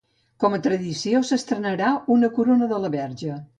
Com a tradició s'estrenarà una corona de la Verge.